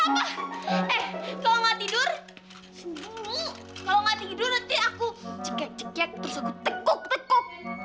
kalau gak tidur nanti aku cek cek cek terus aku tekuk tekuk